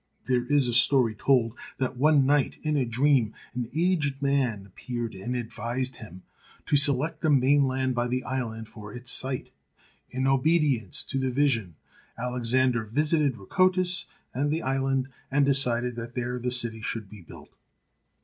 There is a story told that one night in a dream, an aged man appeared and advised him to select the mainland by the island for its site. In obedience to the vision Alexander visited Rako tis and the island, and decided that there the city should be built.